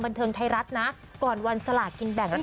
บันเทิงไทยรัฐที่รับใช้ไปกับพี่มนถสิต